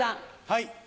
はい。